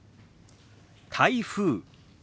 「台風」。